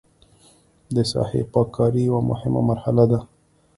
د ساحې پاک کاري یوه مهمه مرحله ده